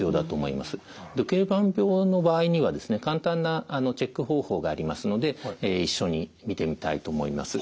ドケルバン病の場合には簡単なチェック方法がありますので一緒に見てみたいと思います。